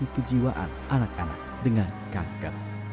memiliki kejiwaan anak anak dengan kanker